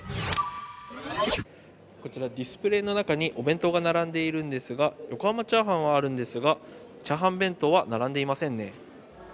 こちら、ディスプレーの中にお弁当が並んでいるんですが横濱チャーハンはあるんですが、炒飯弁当は並んでいませんね。